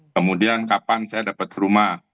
kemudian kapan saya dapat rumah